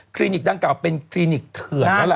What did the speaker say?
นิกดังกล่าเป็นคลินิกเถื่อนแล้วล่ะ